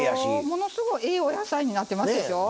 ものすごいええお野菜になってますでしょ。